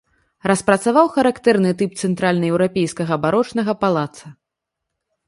Распрацаваў характэрны тып цэнтральнаеўрапейскага барочнага палаца.